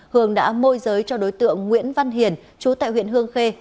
hường đã môi giới cho đối tượng nguyễn văn hiền chú tại huyện hương khê